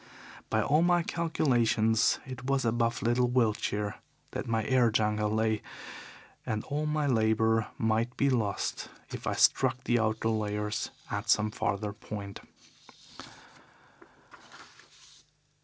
By all my calculations it was above little Wiltshire that my air jungle lay, and all my labour might be lost if I struck the outer layers at some farther point.